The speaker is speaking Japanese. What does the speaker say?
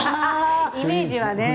イメージはね。